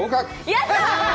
やった！